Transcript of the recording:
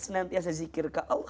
senantiasa zikir kepada allah